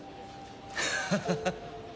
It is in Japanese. ハハハハ！